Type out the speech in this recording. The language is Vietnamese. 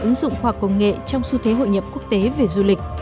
ứng dụng khoa công nghệ trong xu thế hội nhập quốc tế về du lịch